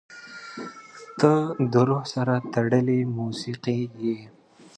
• ته د روح سره تړلې موسیقي یې.